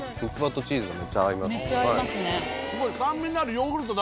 めっちゃ合いますね。